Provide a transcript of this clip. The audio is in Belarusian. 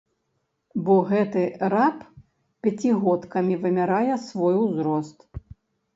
Бо гэты раб пяцігодкамі вымярае свой узрост.